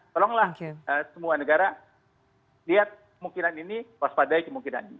tolonglah semua negara lihat kemungkinan ini waspadai kemungkinan ini